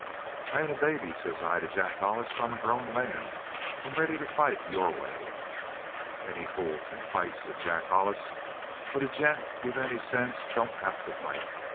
"'I ain't a baby,' says I to Jack Hollis. 'I'm a grown man. I'm ready to fight your way.' "'Any fool can fight,' says Jack Hollis. 'But a gent with any sense don't have to fight.